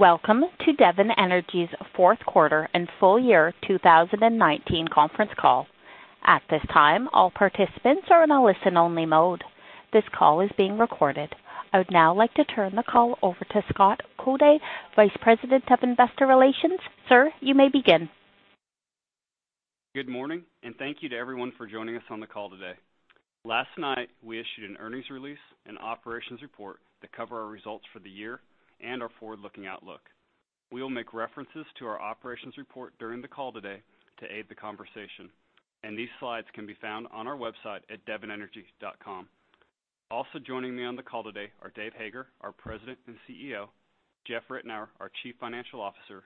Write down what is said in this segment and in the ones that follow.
Welcome to Devon Energy's fourth quarter and full-year 2019 conference call. At this time, all participants are in a listen-only mode. This call is being recorded. I would now like to turn the call over to Scott Coody, Vice President of Investor Relations. Sir, you may begin. Good morning, thank you to everyone for joining us on the call today. Last night, we issued an earnings release and operations report that cover our results for the year and our forward-looking outlook. We will make references to our operations report during the call today to aid the conversation, and these slides can be found on our website at devonenergy.com. Also joining me on the call today are Dave Hager, our President and CEO, Jeff Ritenour, our Chief Financial Officer,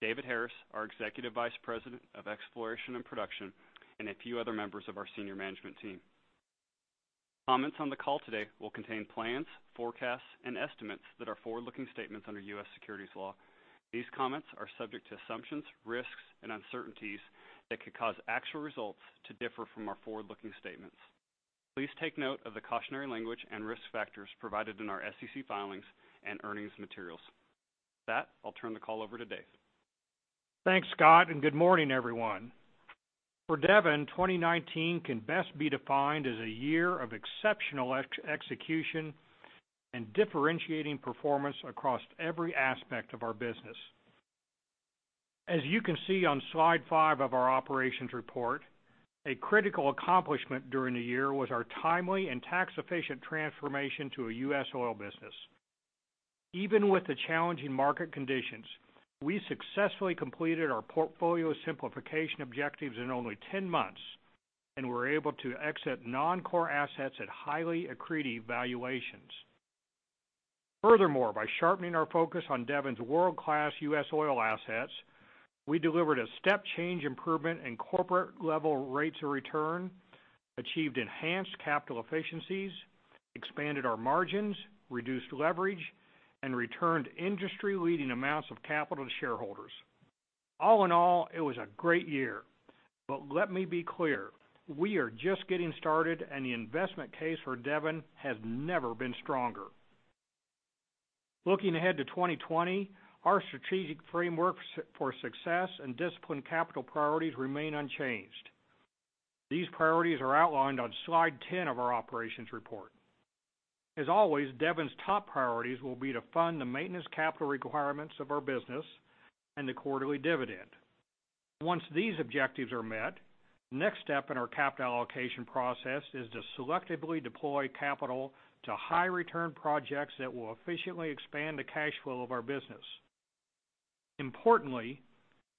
David Harris, our Executive Vice President of Exploration and Production, and a few other members of our senior management team. Comments on the call today will contain plans, forecasts, and estimates that are forward-looking statements under U.S. securities law. These comments are subject to assumptions, risks, and uncertainties that could cause actual results to differ from our forward-looking statements. Please take note of the cautionary language and risk factors provided in our SEC filings and earnings materials. With that, I'll turn the call over to Dave. Thanks, Scott, good morning, everyone. For Devon, 2019 can best be defined as a year of exceptional execution and differentiating performance across every aspect of our business. As you can see on Slide five of our operations report, a critical accomplishment during the year was our timely and tax-efficient transformation to a U.S. oil business. Even with the challenging market conditions, we successfully completed our portfolio simplification objectives in only 10 months, and we're able to exit non-core assets at highly accretive valuations. Furthermore, by sharpening our focus on Devon's world-class U.S. oil assets, we delivered a step change improvement in corporate-level rates of return, achieved enhanced capital efficiencies, expanded our margins, reduced leverage, and returned industry-leading amounts of capital to shareholders. All in all, it was a great year. Let me be clear, we are just getting started, and the investment case for Devon has never been stronger. Looking ahead to 2020, our strategic frameworks for success and disciplined capital priorities remain unchanged. These priorities are outlined on Slide 10 of our operations report. As always, Devon's top priorities will be to fund the maintenance capital requirements of our business and the quarterly dividend. Once these objectives are met, the next step in our capital allocation process is to selectively deploy capital to high-return projects that will efficiently expand the cash flow of our business. Importantly,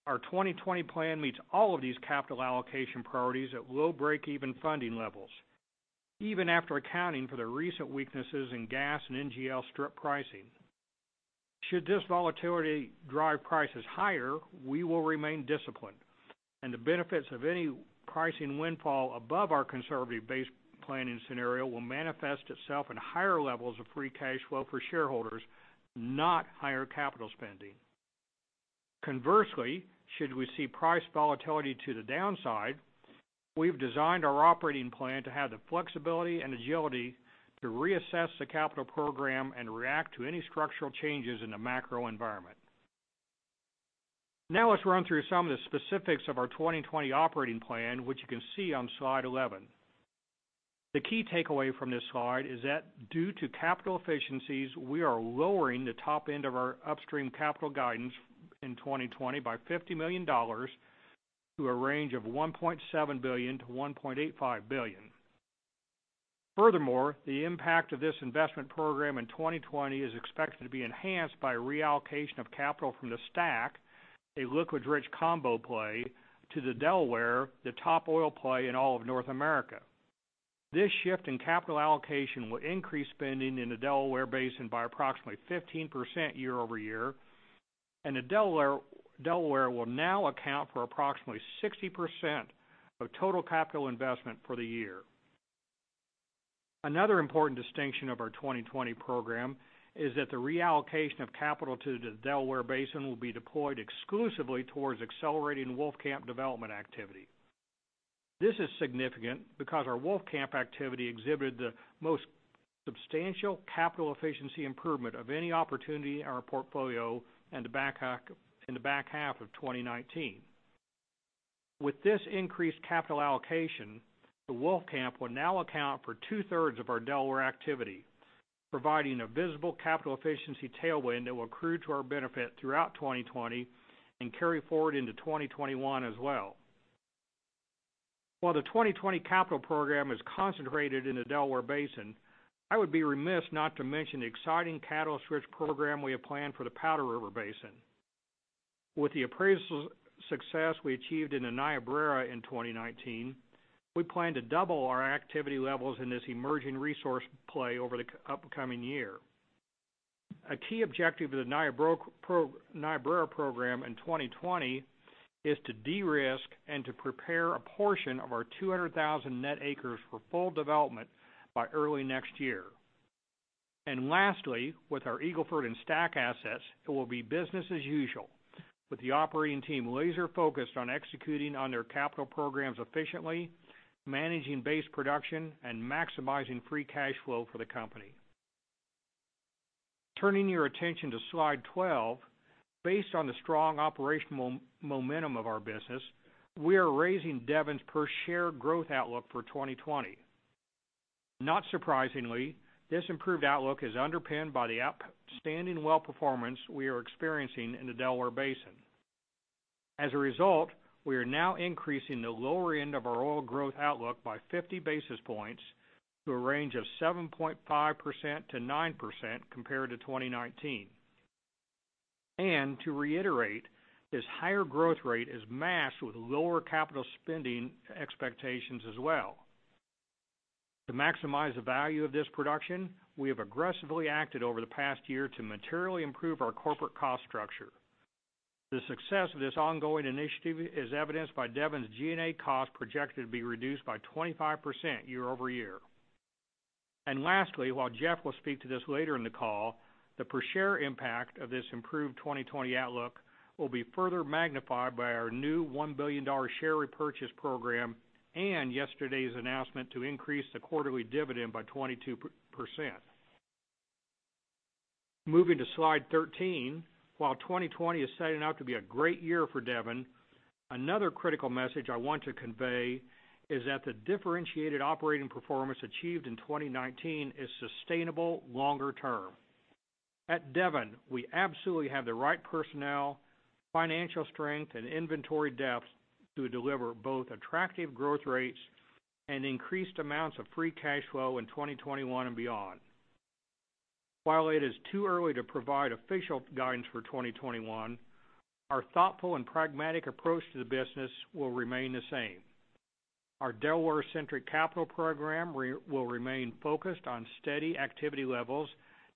our 2020 plan meets all of these capital allocation priorities at low breakeven funding levels, even after accounting for the recent weaknesses in gas and NGL strip pricing. Should this volatility drive prices higher, we will remain disciplined, and the benefits of any pricing windfall above our conservative base planning scenario will manifest itself in higher levels of free cash flow for shareholders, not higher capital spending. Conversely, should we see price volatility to the downside, we've designed our operating plan to have the flexibility and agility to reassess the capital program and react to any structural changes in the macro environment. Let's run through some of the specifics of our 2020 operating plan, which you can see on Slide 11. The key takeaway from this slide is that due to capital efficiencies, we are lowering the top end of our upstream capital guidance in 2020 by $50 million to a range of $1.7 billion-$1.85 billion. Furthermore, the impact of this investment program in 2020 is expected to be enhanced by reallocation of capital from the STACK, a liquids-rich combo play, to the Delaware, the top oil play in all of North America. This shift in capital allocation will increase spending in the Delaware Basin by approximately 15% year-over-year, and the Delaware will now account for approximately 60% of total capital investment for the year. Another important distinction of our 2020 program is that the reallocation of capital to the Delaware Basin will be deployed exclusively towards accelerating Wolfcamp development activity. This is significant because our Wolfcamp activity exhibited the most substantial capital efficiency improvement of any opportunity in our portfolio in the back half of 2019. With this increased capital allocation, the Wolfcamp will now account for two-thirds of our Delaware activity, providing a visible capital efficiency tailwind that will accrue to our benefit throughout 2020 and carry forward into 2021 as well. While the 2020 capital program is concentrated in the Delaware Basin, I would be remiss not to mention the exciting catalyst-rich program we have planned for the Powder River Basin. With the appraisal success we achieved in the Niobrara in 2019, we plan to double our activity levels in this emerging resource play over the upcoming year. A key objective of the Niobrara program in 2020 is to de-risk and to prepare a portion of our 200,000 net acres for full development by early next year. Lastly, with our Eagle Ford and STACK assets, it will be business as usual. With the operating team laser focused on executing on their capital programs efficiently, managing base production, and maximizing free cash flow for the company. Turning your attention to Slide 12. Based on the strong operational momentum of our business, we are raising Devon's per share growth outlook for 2020. Not surprisingly, this improved outlook is underpinned by the outstanding well performance we are experiencing in the Delaware Basin. As a result, we are now increasing the lower end of our oil growth outlook by 50 basis points to a range of 7.5%-9% compared to 2019. To reiterate, this higher growth rate is matched with lower capital spending expectations as well. To maximize the value of this production, we have aggressively acted over the past year to materially improve our corporate cost structure. The success of this ongoing initiative is evidenced by Devon's G&A cost projected to be reduced by 25% year-over-year. Lastly, while Jeff will speak to this later in the call, the per share impact of this improved 2020 outlook will be further magnified by our new $1 billion share repurchase program and yesterday's announcement to increase the quarterly dividend by 22%. Moving to Slide 13. While 2020 is setting out to be a great year for Devon, another critical message I want to convey is that the differentiated operating performance achieved in 2019 is sustainable longer term. At Devon, we absolutely have the right personnel, financial strength, and inventory depth to deliver both attractive growth rates and increased amounts of free cash flow in 2021 and beyond. While it is too early to provide official guidance for 2021, our thoughtful and pragmatic approach to the business will remain the same. Our Delaware-centric capital program will remain focused on steady activity levels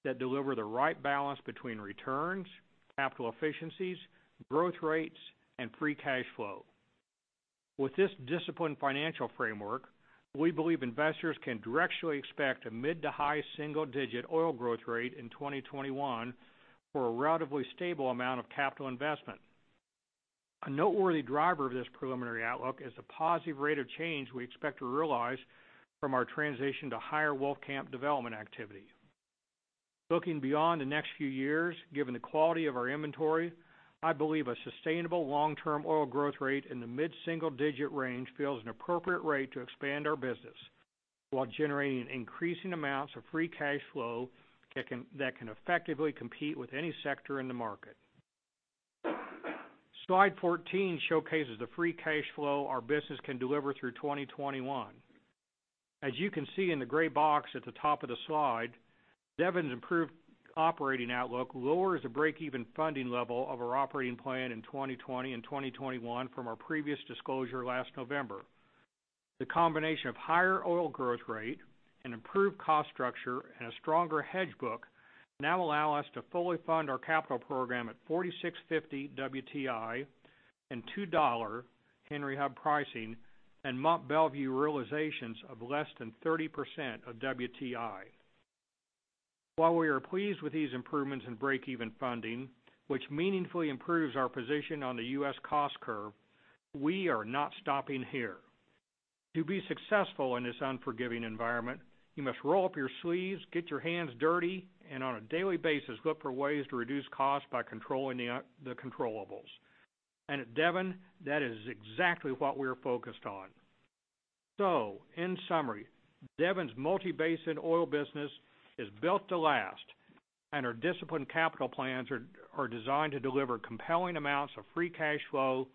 that deliver the right balance between returns, capital efficiencies, growth rates, and free cash flow. With this disciplined financial framework, we believe investors can directionally expect a mid to high single-digit oil growth rate in 2021 for a relatively stable amount of capital investment. A noteworthy driver of this preliminary outlook is the positive rate of change we expect to realize from our transition to higher Wolfcamp development activity. Looking beyond the next few years, given the quality of our inventory, I believe a sustainable long-term oil growth rate in the mid-single digit range feels an appropriate rate to expand our business while generating increasing amounts of free cash flow that can effectively compete with any sector in the market. Slide 14 showcases the free cash flow our business can deliver through 2021. As you can see in the gray box at the top of the slide, Devon's improved operating outlook lowers the breakeven funding level of our operating plan in 2020 and 2021 from our previous disclosure last November. The combination of higher oil growth rate, an improved cost structure, and a stronger hedge book now allow us to fully fund our capital program at $46.50 WTI and $2 Henry Hub pricing and Mont Belvieu realizations of less than 30% of WTI. While we are pleased with these improvements in breakeven funding, which meaningfully improves our position on the U.S. cost curve, we are not stopping here. To be successful in this unforgiving environment, you must roll up your sleeves, get your hands dirty, and on a daily basis, look for ways to reduce costs by controlling the controllables. At Devon, that is exactly what we're focused on. In summary, Devon's multi-basin oil business is built to last, and our disciplined capital plans are designed to deliver compelling amounts of free cash flow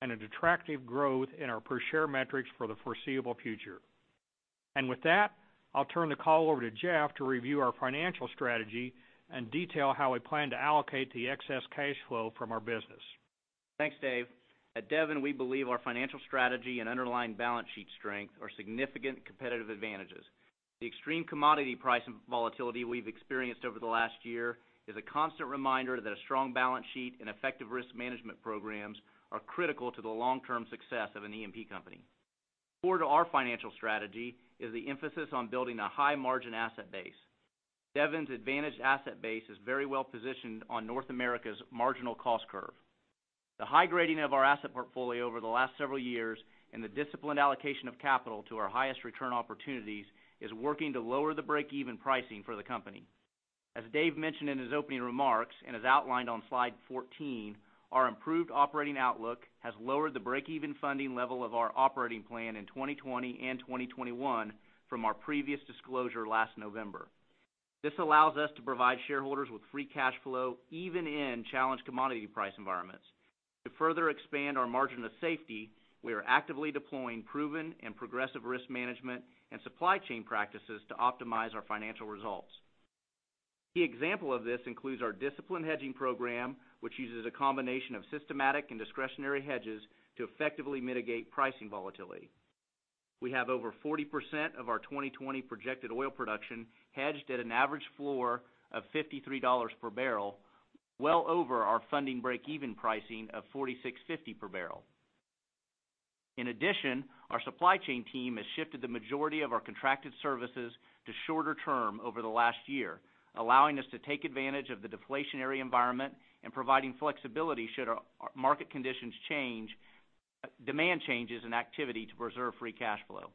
and an attractive growth in our per share metrics for the foreseeable future. With that, I'll turn the call over to Jeff to review our financial strategy and detail how we plan to allocate the excess cash flow from our business. Thanks, Dave. At Devon, we believe our financial strategy and underlying balance sheet strength are significant competitive advantages. The extreme commodity price volatility we've experienced over the last year is a constant reminder that a strong balance sheet and effective risk management programs are critical to the long-term success of an E&P company. Core to our financial strategy is the emphasis on building a high-margin asset base. Devon's advantage asset base is very well positioned on North America's marginal cost curve. The high grading of our asset portfolio over the last several years and the disciplined allocation of capital to our highest return opportunities is working to lower the breakeven pricing for the company. As Dave mentioned in his opening remarks, and as outlined on Slide 14, our improved operating outlook has lowered the breakeven funding level of our operating plan in 2020 and 2021 from our previous disclosure last November. This allows us to provide shareholders with free cash flow even in challenged commodity price environments. To further expand our margin of safety, we are actively deploying proven and progressive risk management and supply chain practices to optimize our financial results. Key example of this includes our disciplined hedging program, which uses a combination of systematic and discretionary hedges to effectively mitigate pricing volatility. We have over 40% of our 2020 projected oil production hedged at an average floor of $53 per bbl, well over our funding breakeven pricing of $46.50 per bbl. In addition, our supply chain team has shifted the majority of our contracted services to shorter term over the last year, allowing us to take advantage of the deflationary environment and providing flexibility should market conditions change, demand changes and activity to preserve free cash flow.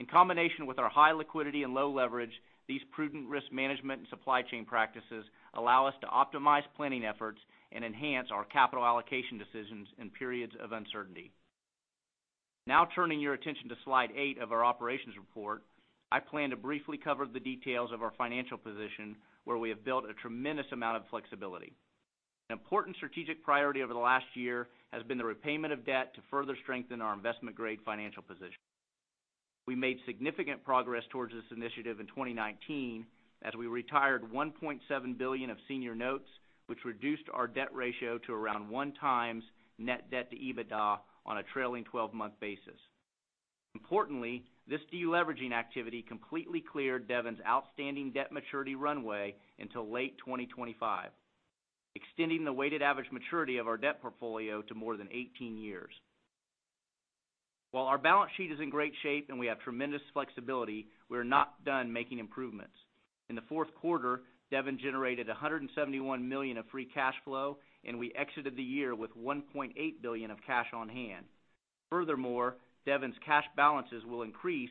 In combination with our high liquidity and low leverage, these prudent risk management and supply chain practices allow us to optimize planning efforts and enhance our capital allocation decisions in periods of uncertainty. Now turning your attention to Slide eight of our operations report, I plan to briefly cover the details of our financial position, where we have built a tremendous amount of flexibility. An important strategic priority over the last year has been the repayment of debt to further strengthen our investment-grade financial position. We made significant progress towards this initiative in 2019, as we retired $1.7 billion of senior notes, which reduced our debt ratio to around 1x net debt to EBITDA on a trailing 12-month basis. Importantly, this deleveraging activity completely cleared Devon's outstanding debt maturity runway until late 2025, extending the weighted average maturity of our debt portfolio to more than 18 years. While our balance sheet is in great shape and we have tremendous flexibility, we are not done making improvements. In the fourth quarter, Devon generated $171 million of free cash flow, and we exited the year with $1.8 billion of cash on hand. Furthermore, Devon's cash balances will increase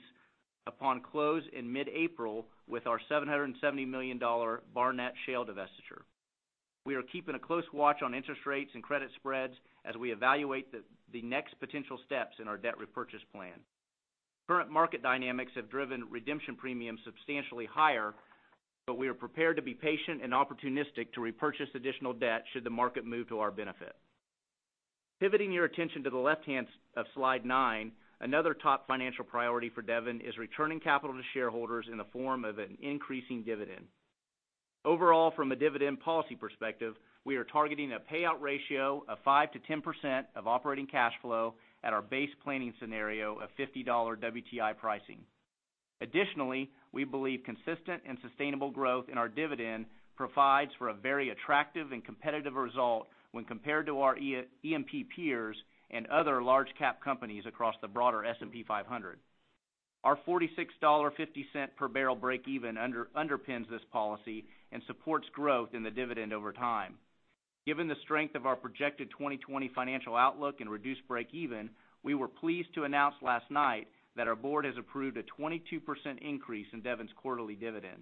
upon close in mid-April with our $770 million Barnett Shale divestiture. We are keeping a close watch on interest rates and credit spreads as we evaluate the next potential steps in our debt repurchase plan. Current market dynamics have driven redemption premiums substantially higher, but we are prepared to be patient and opportunistic to repurchase additional debt should the market move to our benefit. Pivoting your attention to the left hand of Slide nine, another top financial priority for Devon is returning capital to shareholders in the form of an increasing dividend. Overall, from a dividend policy perspective, we are targeting a payout ratio of 5%-10% of operating cash flow at our base planning scenario of $50 WTI pricing. Additionally, we believe consistent and sustainable growth in our dividend provides for a very attractive and competitive result when compared to our E&P peers and other large cap companies across the broader S&P 500. Our $46.50 per bbl breakeven underpins this policy and supports growth in the dividend over time. Given the strength of our projected 2020 financial outlook and reduced breakeven, we were pleased to announce last night that our board has approved a 22% increase in Devon's quarterly dividend.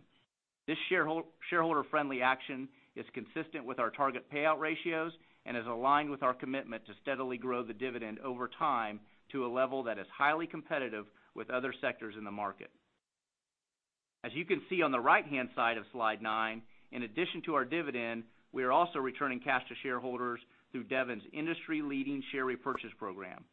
This shareholder-friendly action is consistent with our target payout ratios and is aligned with our commitment to steadily grow the dividend over time to a level that is highly competitive with other sectors in the market. As you can see on the right-hand side of Slide nine, in addition to our dividend, we are also returning cash to shareholders through Devon's industry-leading share repurchase program.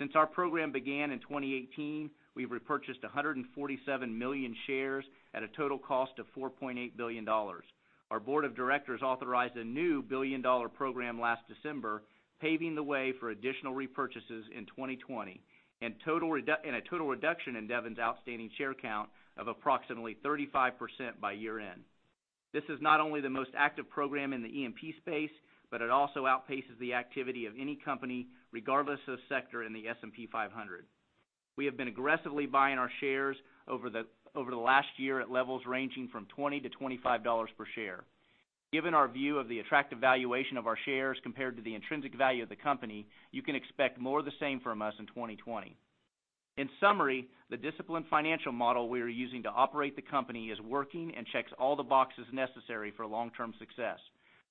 Since our program began in 2018, we've repurchased 147 million shares at a total cost of $4.8 billion. Our board of directors authorized a new billion-dollar program last December, paving the way for additional repurchases in 2020, and a total reduction in Devon's outstanding share count of approximately 35% by year-end. This is not only the most active program in the E&P space, but it also outpaces the activity of any company, regardless of sector, in the S&P 500. We have been aggressively buying our shares over the last year at levels ranging from $20-$25 per share. Given our view of the attractive valuation of our shares compared to the intrinsic value of the company, you can expect more of the same from us in 2020. In summary, the disciplined financial model we are using to operate the company is working and checks all the boxes necessary for long-term success.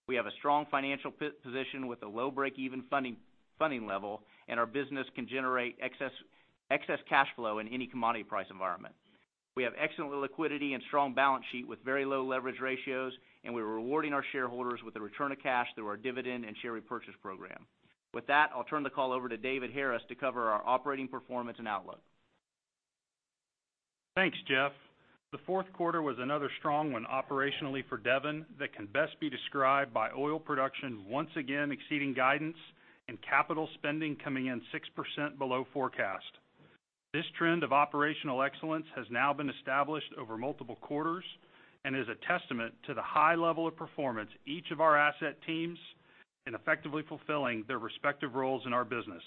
We have a strong financial position with a low breakeven funding level, and our business can generate excess cash flow in any commodity price environment. We have excellent liquidity and strong balance sheet with very low leverage ratios, and we're rewarding our shareholders with a return of cash through our dividend and share repurchase program. With that, I'll turn the call over to David Harris to cover our operating performance and outlook. Thanks, Jeff. The fourth quarter was another strong one operationally for Devon that can best be described by oil production once again exceeding guidance and capital spending coming in 6% below forecast. This trend of operational excellence has now been established over multiple quarters and is a testament to the high level of performance each of our asset teams in effectively fulfilling their respective roles in our business.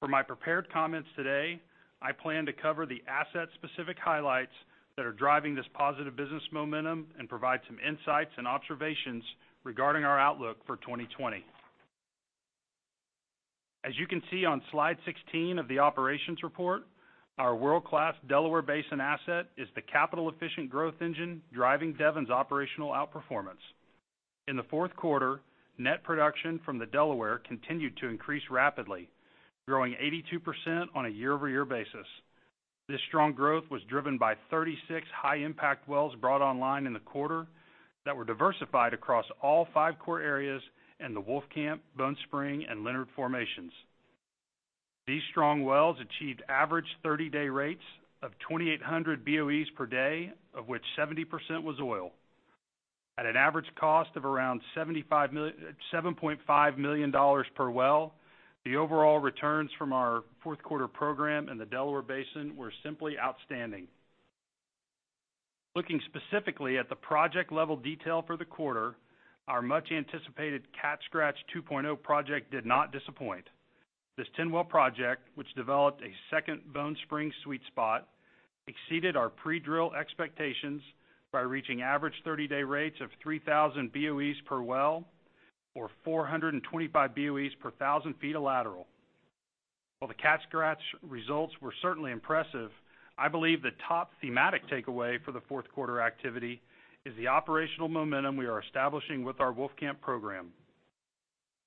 For my prepared comments today, I plan to cover the asset-specific highlights that are driving this positive business momentum and provide some insights and observations regarding our outlook for 2020. As you can see on Slide 16 of the operations report, our world-class Delaware Basin asset is the capital-efficient growth engine driving Devon's operational outperformance. In the fourth quarter, net production from the Delaware continued to increase rapidly, growing 82% on a year-over-year basis. This strong growth was driven by 36 high-impact wells brought online in the quarter that were diversified across all five core areas in the Wolfcamp, Bone Spring, and Leonard Formations. These strong wells achieved average 30-day rates of 2,800 BOEs per day, of which 70% was oil. At an average cost of around $7.5 million per well, the overall returns from our fourth quarter program in the Delaware Basin were simply outstanding. Looking specifically at the project-level detail for the quarter, our much-anticipated Cat Scratch 2.0 project did not disappoint. This 10-well project, which developed a second Bone Spring sweet spot, exceeded our pre-drill expectations by reaching average 30-day rates of 3,000 BOEs per well, or 425 BOEs per 1,000 ft of lateral. While the Cat Scratch results were certainly impressive, I believe the top thematic takeaway for the fourth quarter activity is the operational momentum we are establishing with our Wolfcamp program.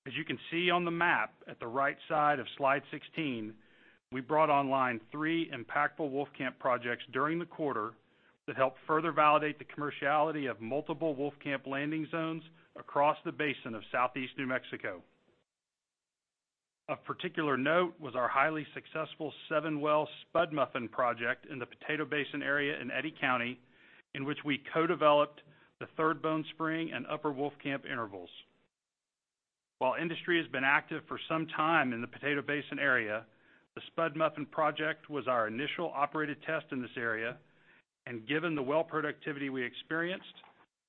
As you can see on the map at the right side of Slide 16, we brought online three impactful Wolfcamp projects during the quarter that helped further validate the commerciality of multiple Wolfcamp landing zones across the basin of Southeast New Mexico. Of particular note was our highly successful seven-well Spud Muffin project in the Potato Basin area in Eddy County, in which we co-developed the third Bone Spring and Upper Wolfcamp intervals. While industry has been active for some time in the Potato Basin area, the Spud Muffin project was our initial operated test in this area, and given the well productivity we experienced,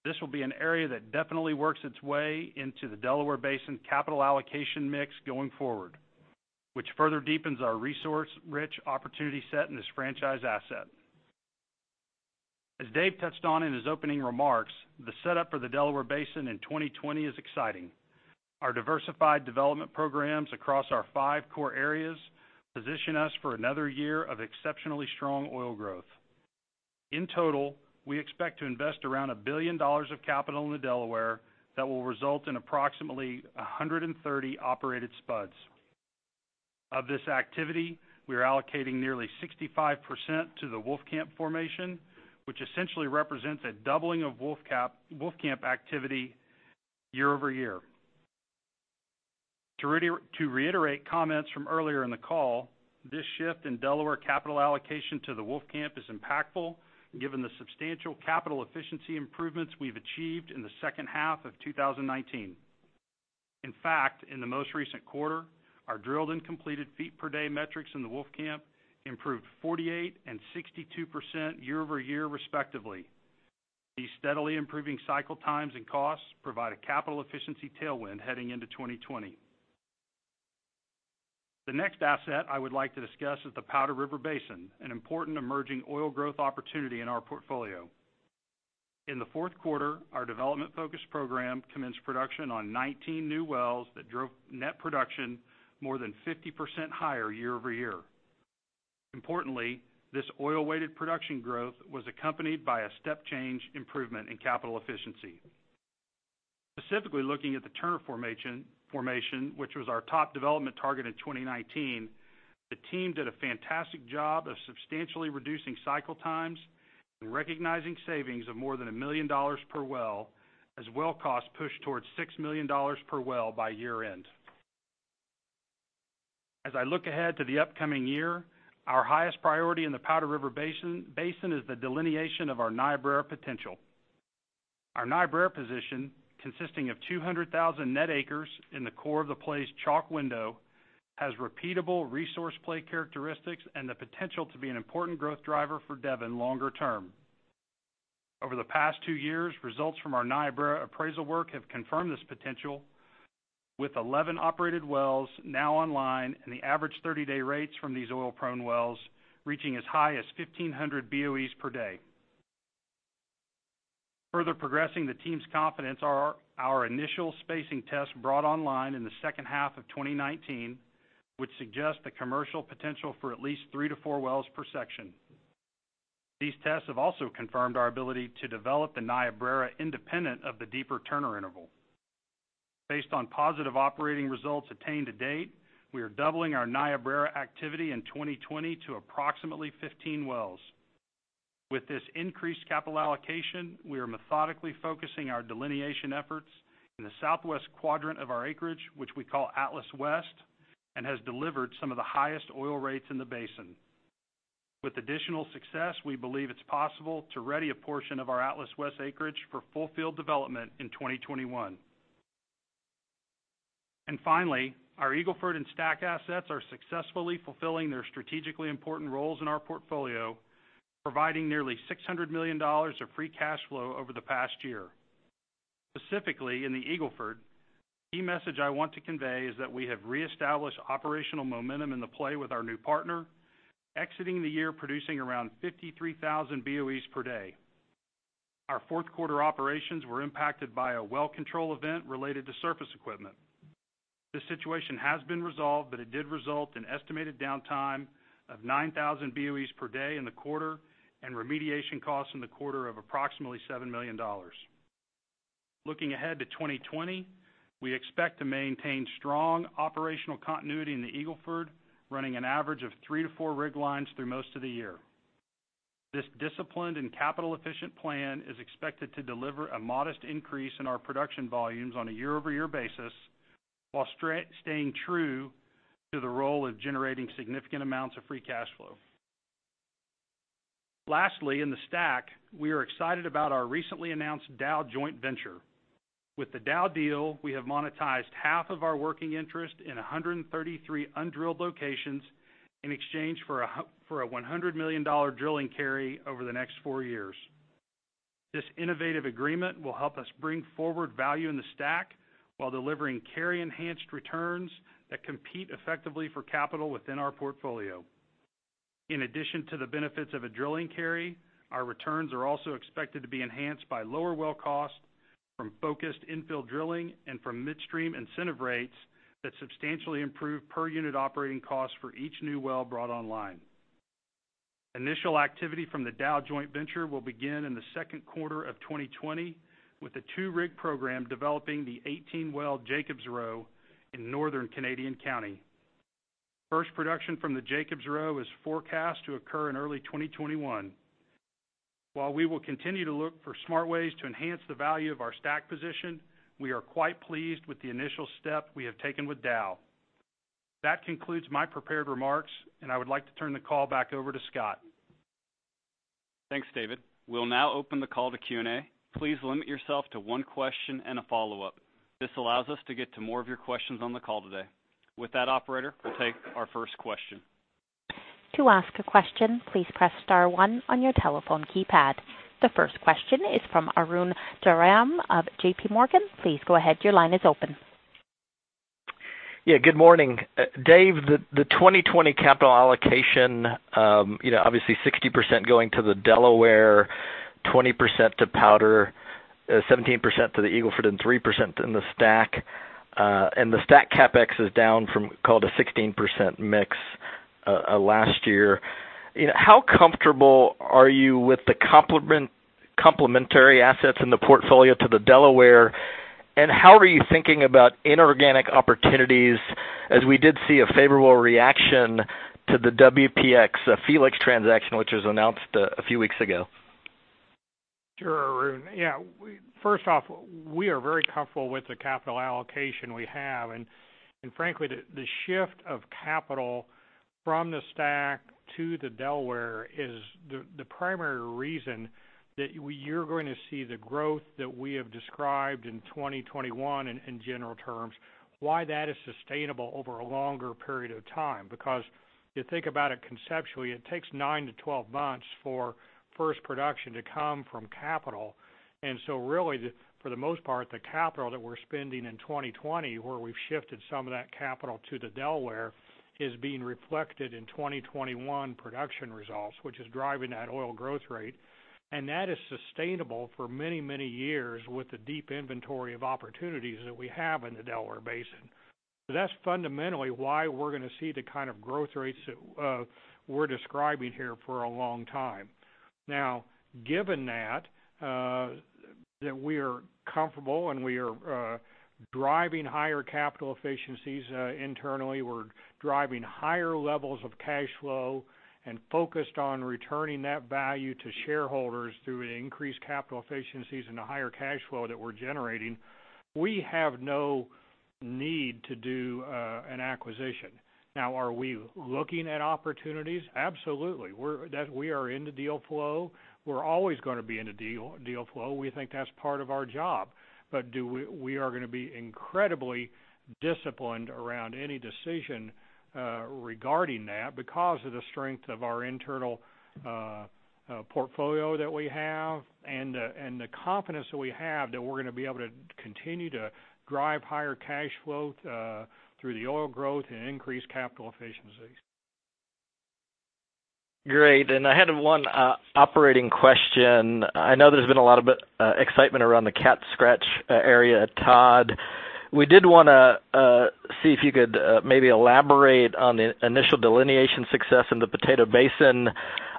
this will be an area that definitely works its way into the Delaware Basin capital allocation mix going forward, which further deepens our resource-rich opportunity set in this franchise asset. As Dave touched on in his opening remarks, the setup for the Delaware Basin in 2020 is exciting. Our diversified development programs across our five core areas position us for another year of exceptionally strong oil growth. In total, we expect to invest around $1 billion of capital in the Delaware that will result in approximately 130 operated spuds. Of this activity, we are allocating nearly 65% to the Wolfcamp Formation, which essentially represents a doubling of Wolfcamp activity year-over-year. To reiterate comments from earlier in the call, this shift in Delaware capital allocation to the Wolfcamp is impactful, given the substantial capital efficiency improvements we've achieved in the second half of 2019. In fact, in the most recent quarter, our drilled and completed feet per day metrics in the Wolfcamp improved 48% and 62% year-over-year, respectively. These steadily improving cycle times and costs provide a capital efficiency tailwind heading into 2020. The next asset I would like to discuss is the Powder River Basin, an important emerging oil growth opportunity in our portfolio. In the fourth quarter, our development focus program commenced production on 19 new wells that drove net production more than 50% higher year-over-year. Importantly, this oil-weighted production growth was accompanied by a step change improvement in capital efficiency. Specifically looking at the Turner Formation, which was our top development target in 2019, the team did a fantastic job of substantially reducing cycle times and recognizing savings of more than $1 million per well as well costs pushed towards $6 million per well by year-end. As I look ahead to the upcoming year, our highest priority in the Powder River Basin is the delineation of our Niobrara potential. Our Niobrara position, consisting of 200,000 net acres in the core of the play's chalk window, has repeatable resource play characteristics and the potential to be an important growth driver for Devon longer term. Over the past two years, results from our Niobrara appraisal work have confirmed this potential with 11 operated wells now online, and the average 30-day rates from these oil-prone wells reaching as high as 1,500 BOEs per day. Further progressing the team's confidence are our initial spacing tests brought online in the second half of 2019, which suggest the commercial potential for at least three to four wells per section. These tests have also confirmed our ability to develop the Niobrara independent of the deeper Turner interval. Based on positive operating results attained to date, we are doubling our Niobrara activity in 2020 to approximately 15 wells. With this increased capital allocation, we are methodically focusing our delineation efforts in the southwest quadrant of our acreage, which we call Atlas West, and has delivered some of the highest oil rates in the basin. With additional success, we believe it's possible to ready a portion of our Atlas West acreage for full field development in 2021. Finally, our Eagle Ford and STACK assets are successfully fulfilling their strategically important roles in our portfolio, providing nearly $600 million of free cash flow over the past year. Specifically in the Eagle Ford, the key message I want to convey is that we have reestablished operational momentum in the play with our new partner, exiting the year producing around 53,000 BOEs per day. Our fourth quarter operations were impacted by a well control event related to surface equipment. This situation has been resolved, but it did result in estimated downtime of 9,000 BOEs per day in the quarter and remediation costs in the quarter of approximately $7 million. Looking ahead to 2020, we expect to maintain strong operational continuity in the Eagle Ford, running an average of three to four rig lines through most of the year. This disciplined and capital-efficient plan is expected to deliver a modest increase in our production volumes on a year-over-year basis while staying true to the role of generating significant amounts of free cash flow. Lastly, in the STACK, we are excited about our recently announced Dow joint venture. With the Dow deal, we have monetized half of our working interest in 133 undrilled locations in exchange for a $100 million drilling carry over the next four years. This innovative agreement will help us bring forward value in the STACK while delivering carry-enhanced returns that compete effectively for capital within our portfolio. In addition to the benefits of a drilling carry, our returns are also expected to be enhanced by lower well costs from focused infill drilling and from midstream incentive rates that substantially improve per unit operating costs for each new well brought online. Initial activity from the Dow joint venture will begin in the second quarter of 2020 with a two-rig program developing the 18-well Jacobs Row in northern Canadian County. First production from the Jacobs Row is forecast to occur in early 2021. While we will continue to look for smart ways to enhance the value of our STACK position, we are quite pleased with the initial step we have taken with Dow. That concludes my prepared remarks, and I would like to turn the call back over to Scott. Thanks, David. We'll now open the call to Q&A. Please limit yourself to one question and a follow-up. This allows us to get to more of your questions on the call today. With that, operator, we'll take our first question. To ask a question, please press star one on your telephone keypad. The first question is from Arun Jayaram of JPMorgan. Please go ahead. Your line is open. Yeah. Good morning. Dave, the 2020 capital allocation, obviously 60% going to the Delaware, 20% to Powder, 17% to the Eagle Ford, and 3% in the STACK. The STACK CapEx is down from, call it, a 16% mix last year. How comfortable are you with the complementary assets in the portfolio to the Delaware, and how are you thinking about inorganic opportunities, as we did see a favorable reaction to the WPX Felix transaction, which was announced a few weeks ago? Sure, Arun. Yeah. First off, we are very comfortable with the capital allocation we have. Frankly, the shift of capital from the STACK to the Delaware is the primary reason that you're going to see the growth that we have described in 2021, in general terms, why that is sustainable over a longer period of time. You think about it conceptually, it takes nine to 12 months for first production to come from capital. Really, for the most part, the capital that we're spending in 2020, where we've shifted some of that capital to the Delaware, is being reflected in 2021 production results, which is driving that oil growth rate. That is sustainable for many years with the deep inventory of opportunities that we have in the Delaware Basin. That's fundamentally why we're going to see the kind of growth rates that we're describing here for a long time. Given that we are comfortable and we are driving higher capital efficiencies internally, we're driving higher levels of cash flow and focused on returning that value to shareholders through increased capital efficiencies and the higher cash flow that we're generating. We have no need to do an acquisition. Are we looking at opportunities? Absolutely. We are in the deal flow. We're always going to be in the deal flow. We think that's part of our job. We are going to be incredibly disciplined around any decision regarding that because of the strength of our internal portfolio that we have and the confidence that we have that we're going to be able to continue to drive higher cash flow through the oil growth and increase capital efficiencies. Great. I had one operating question. I know there's been a lot of excitement around the Cat Scratch area at Todd. We did want to see if you could maybe elaborate on the initial delineation success in the Potato Basin.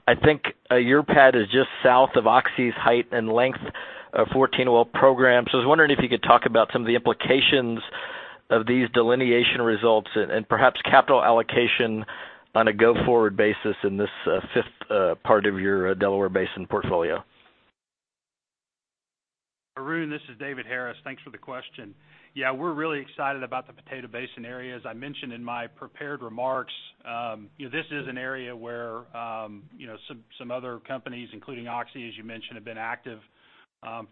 I think your pad is just south of Oxy's height and length 14 well program. I was wondering if you could talk about some of the implications of these delineation results and perhaps capital allocation on a go-forward basis in this fifth part of your Delaware Basin portfolio. Arun, this is David Harris. Thanks for the question. Yeah, we're really excited about the Potato Basin area. As I mentioned in my prepared remarks, this is an area where some other companies, including Oxy, as you mentioned, have been active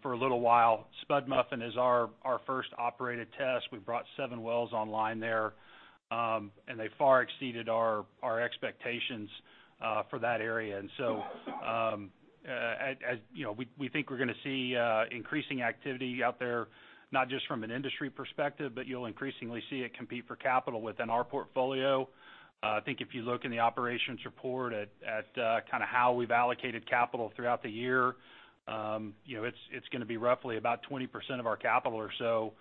for a little while. Spud Muffin is our first operated test. We've brought seven wells online there, and they far exceeded our expectations for that area. We think we're going to see increasing activity out there, not just from an industry perspective, but you'll increasingly see it compete for capital within our portfolio. I think if you look in the operations report at how we've allocated capital throughout the year, it's going to be roughly about 20% of our capital or so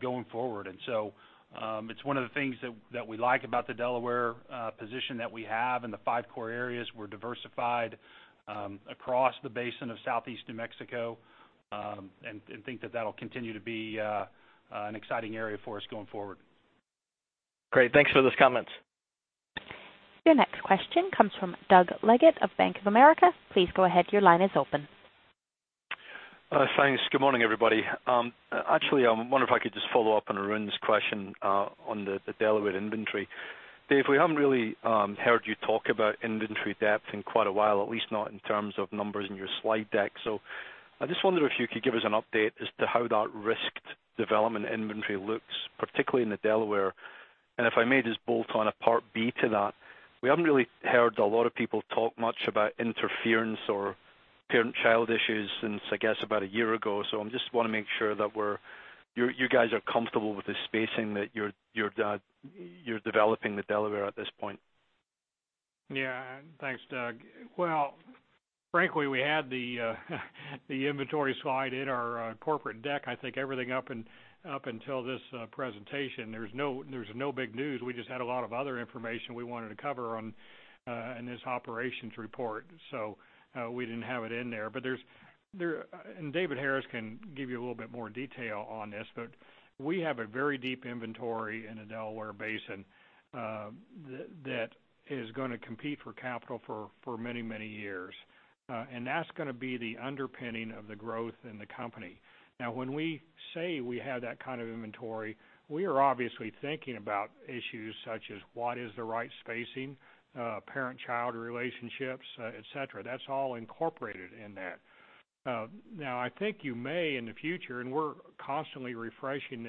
going forward. It's one of the things that we like about the Delaware position that we have in the five core areas. We're diversified across the basin of Southeast New Mexico, and think that that'll continue to be an exciting area for us going forward. Great. Thanks for those comments. Your next question comes from Doug Leggate of Bank of America. Please go ahead, your line is open. Thanks. Good morning, everybody. Actually, I wonder if I could just follow up on Arun's question on the Delaware inventory, Dave. We haven't really heard you talk about inventory depth in quite a while, at least not in terms of numbers in your slide deck. I just wonder if you could give us an update as to how that risked development inventory looks, particularly in the Delaware. If I may just bolt on a part B to that, we haven't really heard a lot of people talk much about interference or parent-child issues since, I guess, about a year ago. I just want to make sure that you guys are comfortable with the spacing that you're developing the Delaware at this point. Yeah. Thanks, Doug. Well, frankly, we had the inventory slide in our corporate deck. I think everything up until this presentation, there's no big news. We just had a lot of other information we wanted to cover in this operations report. We didn't have it in there, and David Harris can give you a little bit more detail on this. We have a very deep inventory in the Delaware Basin that is going to compete for capital for many, many years. That's going to be the underpinning of the growth in the company. Now, when we say we have that kind of inventory, we are obviously thinking about issues such as what is the right spacing, parent-child relationships, et cetera. That's all incorporated in that. Now, I think you may, in the future, and we're constantly refreshing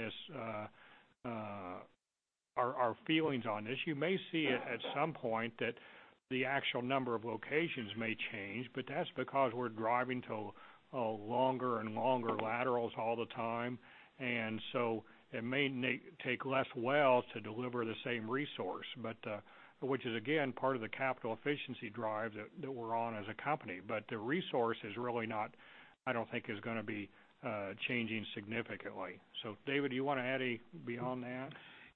our feelings on this, you may see it at some point that the actual number of locations may change, but that's because we're driving to longer and longer laterals all the time. It may take less wells to deliver the same resource. Which is again, part of the capital efficiency drive that we're on as a company. The resource is really not, I don't think is going to be changing significantly. David, do you want to add beyond that?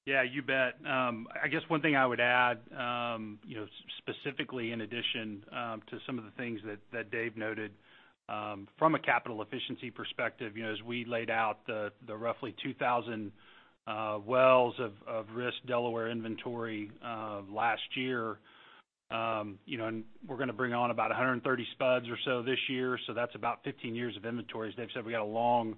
Yeah, you bet. I guess one thing I would add specifically in addition to some of the things that Dave noted. From a capital efficiency perspective, as we laid out the roughly 2,000 wells of risked Delaware inventory last year, and we're going to bring on about 130 spuds or so this year. That's about 15 years of inventory. As Dave said, we've got a long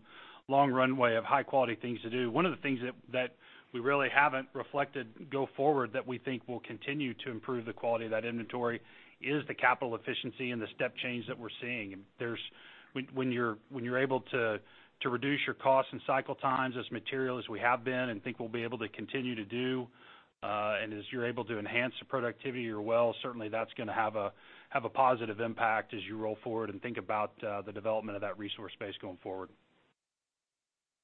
runway of high-quality things to do. One of the things that we really haven't reflected go forward that we think will continue to improve the quality of that inventory is the capital efficiency and the step change that we're seeing. When you're able to reduce your costs and cycle times as material as we have been and think we'll be able to continue to do, and as you're able to enhance the productivity of your well, certainly that's going to have a positive impact as you roll forward and think about the development of that resource base going forward.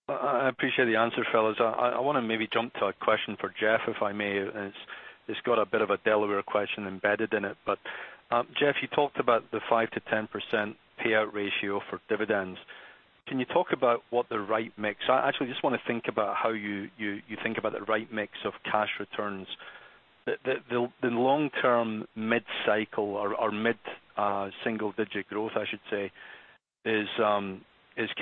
I appreciate the answer, fellas. I want to maybe jump to a question for Jeff, if I may. It's got a bit of a Delaware question embedded in it. Jeff, you talked about the 5%-10% payout ratio for dividends. Can you talk about how you think about the right mix of cash returns. The long-term mid-cycle or mid-single-digit growth, I should say, is kind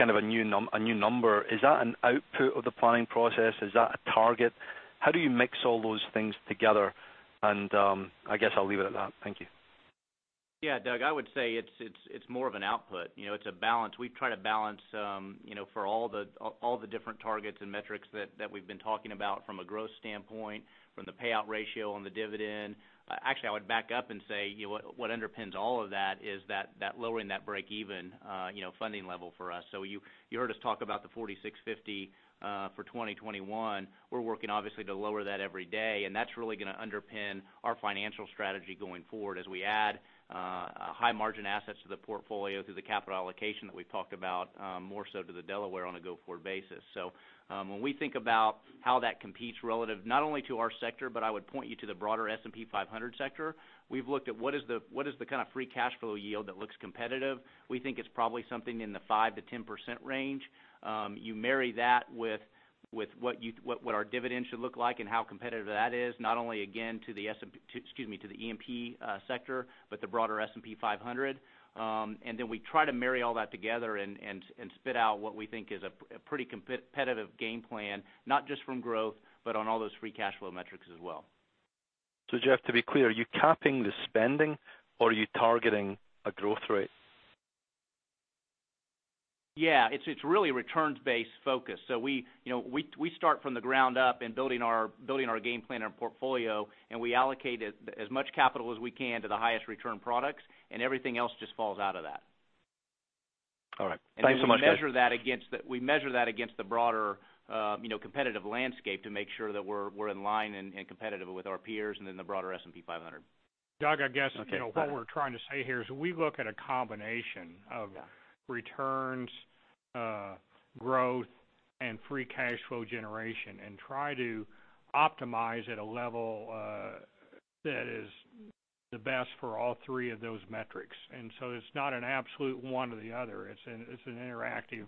of a new number. Is that an output of the planning process? Is that a target? How do you mix all those things together? I guess I'll leave it at that. Thank you. Yeah, Doug, I would say it's more of an output. It's a balance. We try to balance for all the different targets and metrics that we've been talking about from a growth standpoint, from the payout ratio on the dividend. Actually, I would back up and say, what underpins all of that is that lowering that breakeven funding level for us. You heard us talk about the $46.50 for 2021. We're working obviously to lower that every day, and that's really going to underpin our financial strategy going forward as we add high-margin assets to the portfolio through the capital allocation that we've talked about, more so to the Delaware on a go-forward basis. When we think about how that competes relative not only to our sector, but I would point you to the broader S&P 500 sector. We've looked at what is the kind of free cash flow yield that looks competitive. We think it's probably something in the 5%-10% range. You marry that with what our dividend should look like and how competitive that is, not only again to the E&P sector, but the broader S&P 500. We try to marry all that together and spit out what we think is a pretty competitive game plan, not just from growth, but on all those free cash flow metrics as well. Jeff, to be clear, are you capping the spending or are you targeting a growth rate? Yeah, it's really returns-based focus. We start from the ground up in building our game plan, our portfolio, and we allocate as much capital as we can to the highest return products, and everything else just falls out of that. All right. Thanks so much, Jeff. We measure that against the broader competitive landscape to make sure that we're in line and competitive with our peers and in the broader S&P 500. Doug, I guess what we're trying to say here is we look at a combination of returns, growth, and free cash flow generation and try to optimize at a level that is the best for all three of those metrics. It's not an absolute one or the other. It's an interactive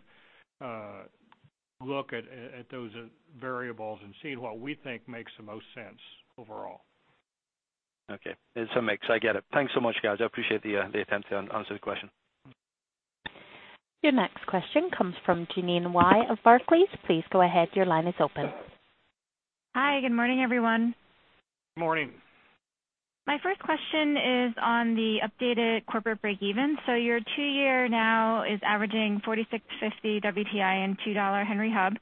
look at those variables and seeing what we think makes the most sense overall. Okay. It's a mix. I get it. Thanks so much, guys. I appreciate the attempt to answer the question. Your next question comes from Jeanine Wai of Barclays. Please go ahead. Your line is open. Hi. Good morning, everyone. Morning. My first question is on the updated corporate breakeven. Your two-year now is averaging $46.50 WTI and $2 Henry Hub.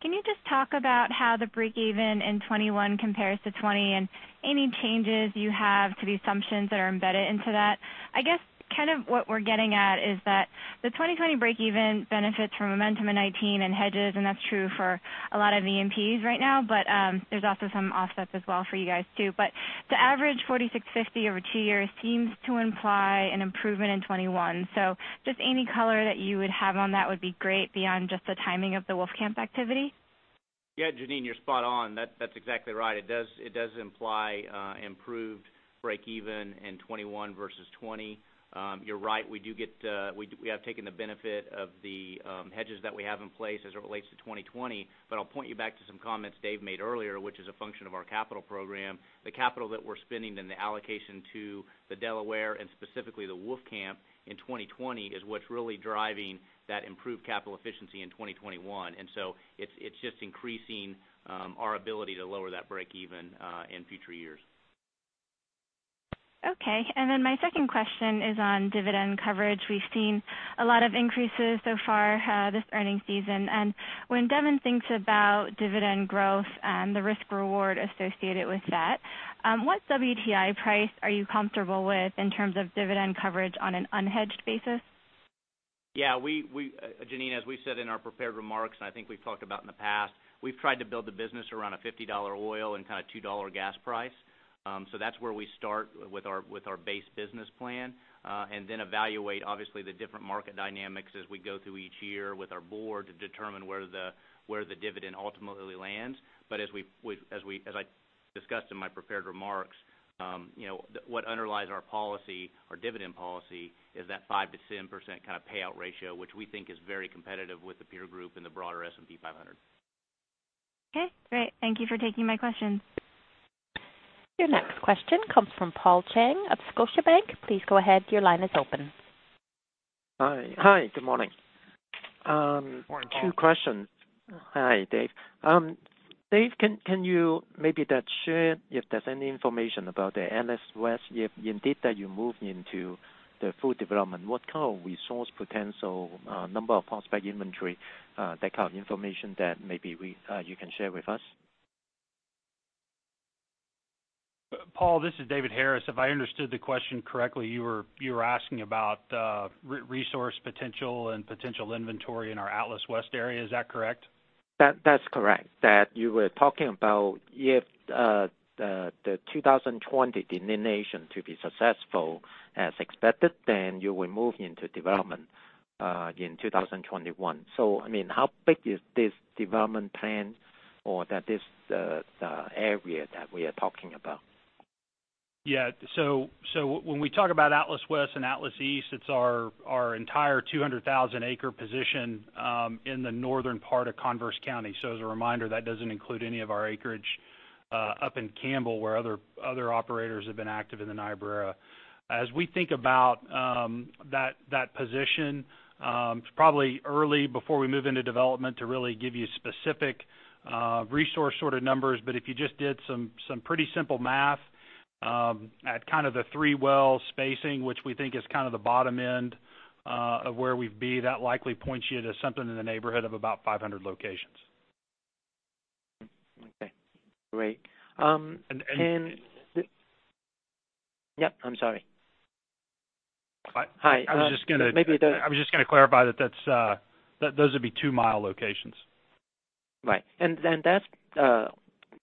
Can you just talk about how the breakeven in 2021 compares to 2020, and any changes you have to the assumptions that are embedded into that? I guess, what we're getting at is that the 2020 breakeven benefits from momentum in 2019 and hedges, and that's true for a lot of E&Ps right now, but there's also some offsets as well for you guys, too. The average $46.50 over two years seems to imply an improvement in 2021. Just any color that you would have on that would be great beyond just the timing of the Wolfcamp activity. Yeah, Jeanine, you're spot on. That's exactly right. It does imply improved breakeven in 2021 versus 2020. You're right, we have taken the benefit of the hedges that we have in place as it relates to 2020. I'll point you back to some comments Dave made earlier, which is a function of our capital program. The capital that we're spending in the allocation to the Delaware, and specifically the Wolfcamp in 2020, is what's really driving that improved capital efficiency in 2021. It's just increasing our ability to lower that breakeven in future years. Okay. My second question is on dividend coverage. We've seen a lot of increases so far this earning season. When Devon thinks about dividend growth and the risk-reward associated with that, what WTI price are you comfortable with in terms of dividend coverage on an unhedged basis? Yeah. Jeanine, as we said in our prepared remarks, and I think we've talked about in the past, we've tried to build the business around a $50 oil and kind of $2 gas price. That's where we start with our base business plan. Then evaluate, obviously, the different market dynamics as we go through each year with our board to determine where the dividend ultimately lands. As I discussed in my prepared remarks, what underlies our dividend policy is that 5%-10% kind of payout ratio, which we think is very competitive with the peer group and the broader S&P 500. Okay, great. Thank you for taking my questions. Your next question comes from Paul Cheng of Scotiabank. Please go ahead, your line is open. Hi. Good morning. Morning, Paul. Two questions. Hi, Dave. Dave, can you maybe share if there's any information about the Atlas West, if indeed that you move into the full development, what kind of resource potential, number of prospect inventory, that kind of information that maybe you can share with us? Paul, this is David Harris. If I understood the question correctly, you were asking about resource potential and potential inventory in our Atlas West area. Is that correct? That's correct. That you were talking about if the 2020 delineation to be successful as expected, then you will move into development in 2021. How big is this development plan or this area that we are talking about? When we talk about Atlas West and Atlas East, it's our entire 200,000-acre position in the northern part of Converse County. As a reminder, that doesn't include any of our acreage up in Campbell, where other operators have been active in the Niobrara. As we think about that position, it's probably early before we move into development to really give you specific resource sort of numbers. If you just did some pretty simple math, at kind of the three-well spacing, which we think is kind of the bottom end of where we'd be, that likely points you to something in the neighborhood of about 500 locations. Okay, great. And- Yeah, I'm sorry. I- Hi. I was just gonna- Maybe the- I was just gonna clarify that those would be two-mile locations. Right. That's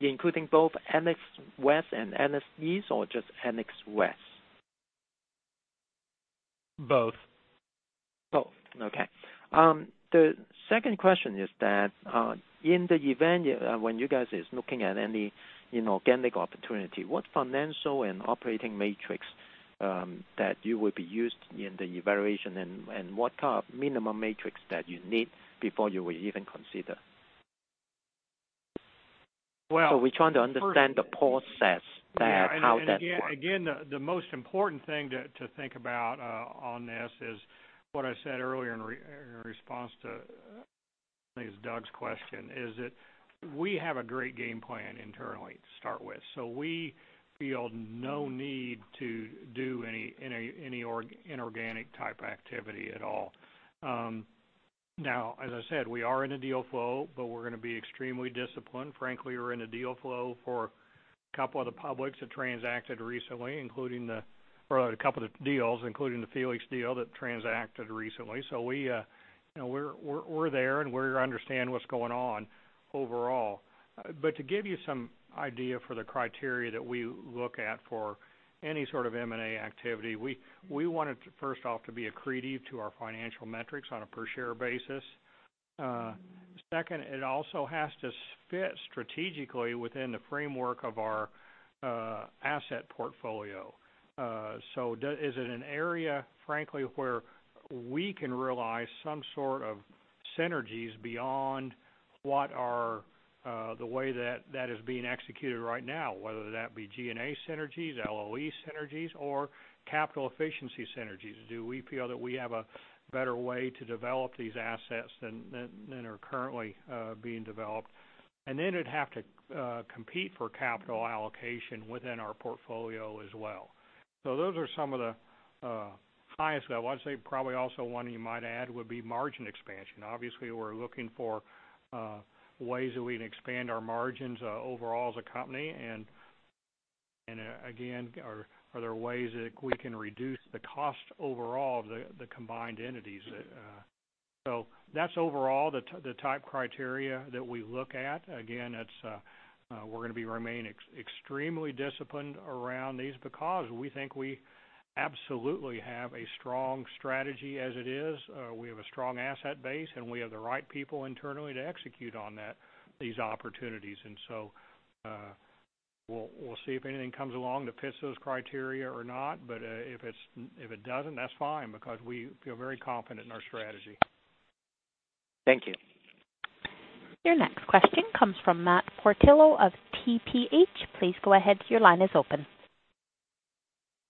including both Atlas West and Annex East, or just Atlas West? Both. Both. Okay. The second question is that, in the event when you guys is looking at any inorganic opportunity, what financial and operating metrics that you would be used in the evaluation and what kind of minimum metrics that you need before you will even consider? Well- We're trying to understand the process. Yeah how that work? Again, the most important thing to think about on this is what I said earlier in response to, I think it was Doug's question, is that we have a great game plan internally to start with. We feel no need to do any inorganic type activity at all. Now, as I said, we are in a deal flow, but we're gonna be extremely disciplined. Frankly, we're in a deal flow for a couple of the publics transacted recently, a couple of deals, including the Felix deal that transacted recently. We're there, and we understand what's going on overall. To give you some idea for the criteria that we look at for any sort of M&A activity, we want it to first off to be accretive to our financial metrics on a per share basis. Second, it also has to fit strategically within the framework of our asset portfolio. Is it an area, frankly, where we can realize some sort of? Synergies beyond what are the way that is being executed right now, whether that be G&A synergies, LOE synergies, or capital efficiency synergies. Do we feel that we have a better way to develop these assets than are currently being developed? It'd have to compete for capital allocation within our portfolio as well. Those are some of the highest level. I'd say probably also one you might add would be margin expansion. Obviously, we're looking for ways that we can expand our margins overall as a company, again, are there ways that we can reduce the cost overall of the combined entities? That's overall the type criteria that we look at. Again, we're going to remain extremely disciplined around these because we think we absolutely have a strong strategy as it is. We have a strong asset base, and we have the right people internally to execute on these opportunities. We'll see if anything comes along to fit those criteria or not, but if it doesn't, that's fine because we feel very confident in our strategy. Thank you. Your next question comes from Matt Portillo of TPH. Please go ahead. Your line is open.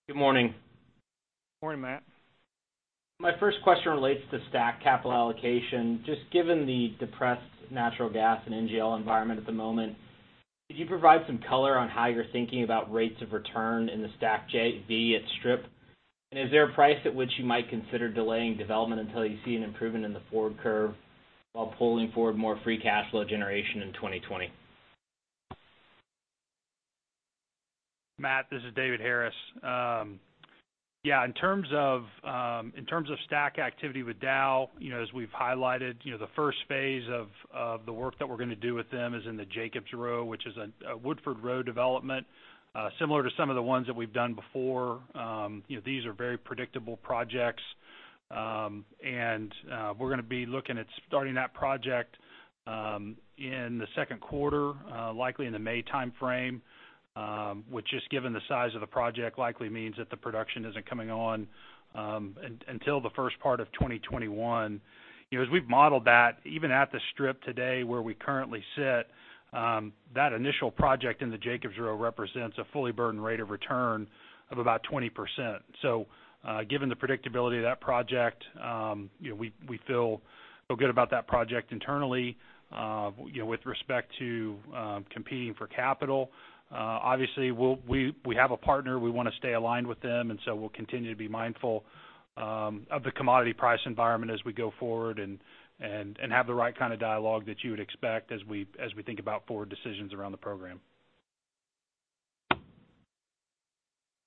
Good morning. Morning, Matt. My first question relates to STACK capital allocation. Just given the depressed natural gas and NGL environment at the moment, could you provide some color on how you're thinking about rates of return in the STACK JV at strip? Is there a price at which you might consider delaying development until you see an improvement in the forward curve while pulling forward more free cash flow generation in 2020? Matt, this is David Harris. Yeah, in terms of STACK activity with Dow, as we've highlighted, the first phase of the work that we're going to do with them is in the Jacobs Row, which is a Woodford development, similar to some of the ones that we've done before. These are very predictable projects. We're going to be looking at starting that project in the second quarter, likely in the May timeframe, which just given the size of the project likely means that the production isn't coming on until the first part of 2021. As we've modeled that, even at the strip today where we currently sit, that initial project in the Jacobs Row represents a fully burdened rate of return of about 20%. Given the predictability of that project, we feel good about that project internally. With respect to competing for capital, obviously we have a partner, we want to stay aligned with them, we'll continue to be mindful of the commodity price environment as we go forward and have the right kind of dialogue that you would expect as we think about forward decisions around the program.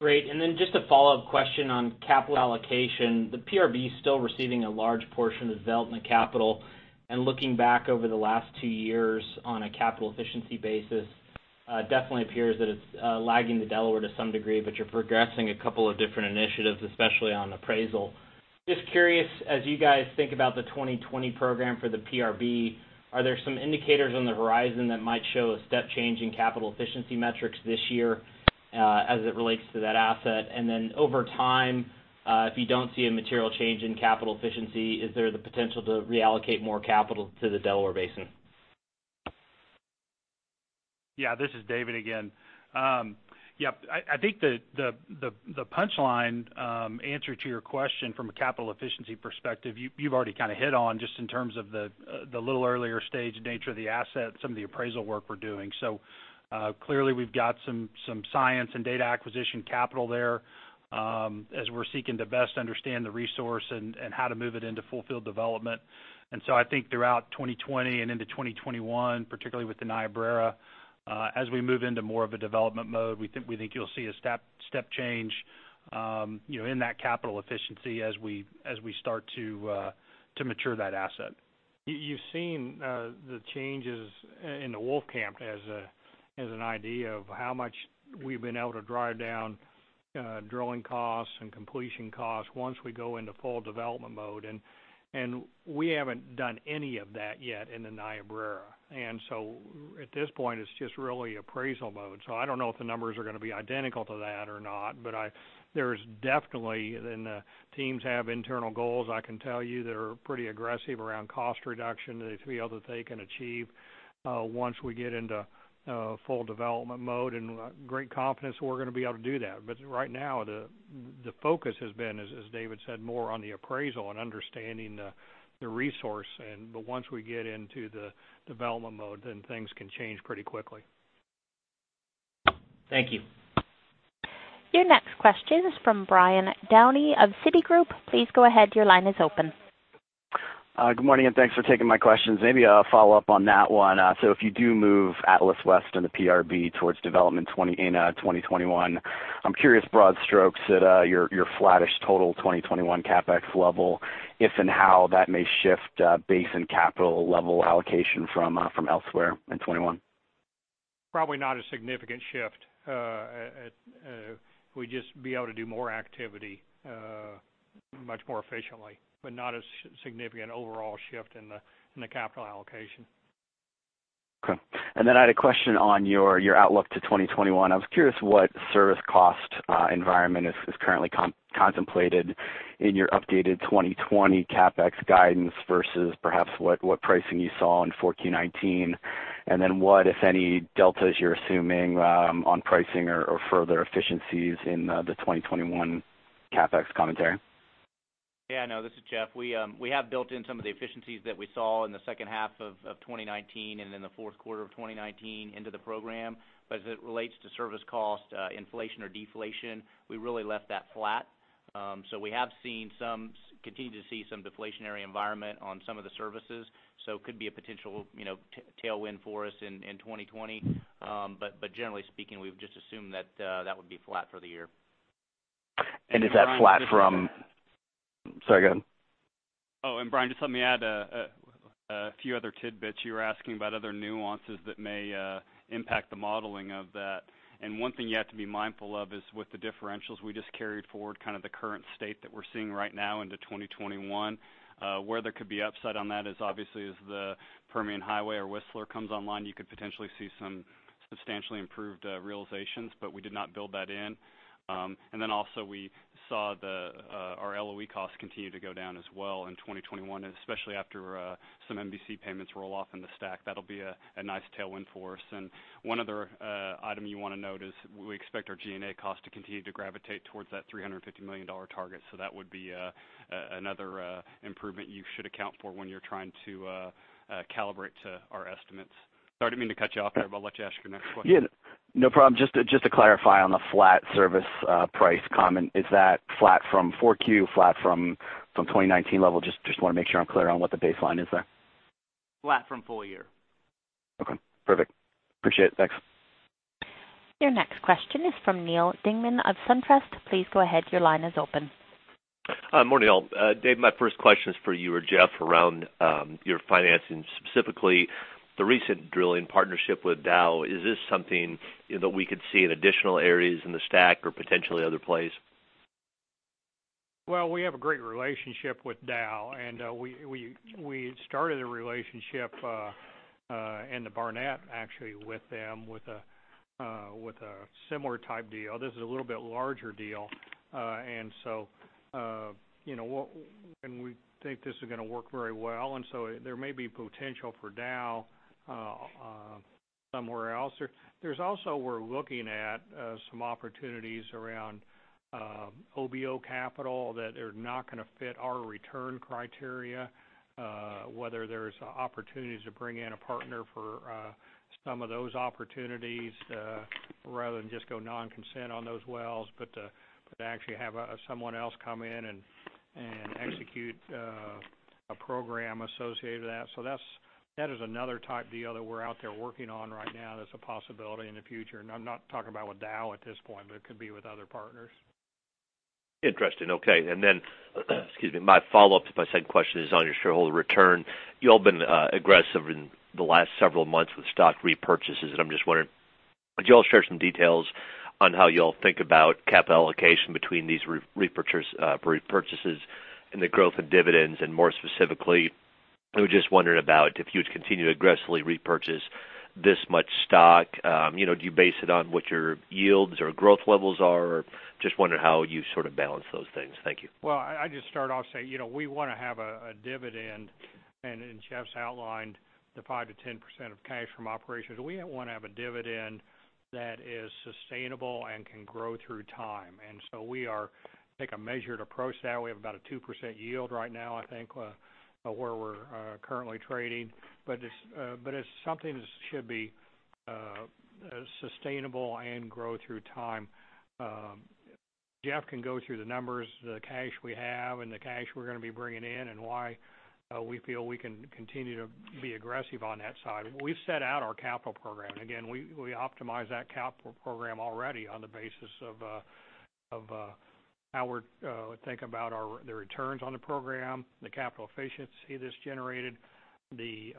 Great. Just a follow-up question on capital allocation. The PRB is still receiving a large portion of development capital, and looking back over the last two years on a capital efficiency basis, definitely appears that it's lagging the Delaware to some degree, but you're progressing a couple of different initiatives, especially on appraisal. Just curious, as you guys think about the 2020 program for the PRB, are there some indicators on the horizon that might show a step change in capital efficiency metrics this year as it relates to that asset? Over time, if you don't see a material change in capital efficiency, is there the potential to reallocate more capital to the Delaware Basin? Yeah, this is David again. I think the punchline answer to your question from a capital efficiency perspective, you've already kind of hit on just in terms of the little earlier stage nature of the asset, some of the appraisal work we're doing. Clearly we've got some science and data acquisition capital there as we're seeking to best understand the resource and how to move it into full field development. I think throughout 2020 and into 2021, particularly with the Niobrara, as we move into more of a development mode, we think you'll see a step change in that capital efficiency as we start to mature that asset. You've seen the changes in the Wolfcamp as an idea of how much we've been able to drive down drilling costs and completion costs once we go into full development mode. We haven't done any of that yet in the Niobrara. At this point, it's just really appraisal mode. I don't know if the numbers are going to be identical to that or not, but there's definitely, and the teams have internal goals, I can tell you, that are pretty aggressive around cost reduction that they feel that they can achieve once we get into full development mode, and great confidence that we're going to be able to do that. Right now, the focus has been, as David said, more on the appraisal and understanding the resource. Once we get into the development mode, then things can change pretty quickly. Thank you. Your next question is from Brian Downey of Citigroup. Please go ahead. Your line is open. Good morning, thanks for taking my questions. Maybe a follow-up on that one. If you do move Atlas West and the PRB towards development in 2021, I'm curious, broad strokes, at your flattish total 2021 CapEx level, if and how that may shift basin capital level allocation from elsewhere in 2021. Probably not a significant shift. We'd just be able to do more activity much more efficiently, but not a significant overall shift in the capital allocation. Okay. I had a question on your outlook to 2021. I was curious what service cost environment is currently contemplated in your updated 2020 CapEx guidance versus perhaps what pricing you saw in 4Q 2019, and then what, if any, deltas you're assuming on pricing or further efficiencies in the 2021 CapEx commentary? Yeah, no, this is Jeff. We have built in some of the efficiencies that we saw in the second half of 2019 and in the fourth quarter of 2019 into the program. As it relates to service cost, inflation or deflation, we really left that flat. We have continued to see some deflationary environment on some of the services, so it could be a potential tailwind for us in 2020. Generally speaking, we've just assumed that that would be flat for the year. Is that flat? Sorry, go ahead. Brian, just let me add a few other tidbits. You were asking about other nuances that may impact the modeling of that. One thing you have to be mindful of is with the differentials, we just carried forward the current state that we're seeing right now into 2021. Where there could be upside on that is obviously as the Permian Highway or Whistler comes online, you could potentially see some substantially improved realizations, we did not build that in. Then also we saw our LOE costs continue to go down as well in 2021, especially after some MVC payments roll off in the STACK, that'll be a nice tailwind for us. One other item you want to note is we expect our G&A cost to continue to gravitate towards that $350 million target, that would be another improvement you should account for when you're trying to calibrate to our estimates. Sorry, I didn't mean to cut you off there, I'll let you ask your next question. Yeah. No problem. Just to clarify on the flat service price comment, is that flat from 4Q, flat from 2019 level? Just want to make sure I'm clear on what the baseline is there. Flat from full-year. Okay. Perfect. Appreciate it. Thanks. Your next question is from Neal Dingmann of SunTrust. Please go ahead, your line is open. Hi, morning all. Dave, my first question is for you or Jeff around your financing, specifically the recent drilling partnership with Dow. Is this something that we could see in additional areas in the STACK or potentially other plays? Well, we have a great relationship with Dow, and we started a relationship in the Barnett, actually, with them, with a similar type deal. This is a little bit larger deal. We think this is going to work very well, so there may be potential for Dow somewhere else. There's also, we're looking at some opportunities around OBO capital that are not going to fit our return criteria, whether there's opportunities to bring in a partner for some of those opportunities, rather than just go non-consent on those wells, but to actually have someone else come in and execute a program associated with that. That is another type deal that we're out there working on right now that's a possibility in the future. I'm not talking about with Dow at this point, but it could be with other partners. Interesting. Okay. Then, excuse me. My follow-up, my second question is on your shareholder return. You all have been aggressive in the last several months with stock repurchases, and I'm just wondering, could you all share some details on how you all think about capital allocation between these repurchases and the growth in dividends? More specifically, I was just wondering about if you would continue to aggressively repurchase this much stock. Do you base it on what your yields or growth levels are? I'm just wondering how you sort of balance those things. Thank you. Well, I'd just start off saying, we want to have a dividend. Jeff Ritenour's outlined the 5%-10% of cash from operations. We want to have a dividend that is sustainable and can grow through time. We take a measured approach to that. We have about a 2% yield right now, I think, where we're currently trading. It's something that should be sustainable and grow through time. Jeff Ritenour can go through the numbers, the cash we have and the cash we're going to be bringing in, why we feel we can continue to be aggressive on that side. We've set out our capital program. Again, we optimize that capital program already on the basis of how we think about the returns on the program, the capital efficiency that's generated, the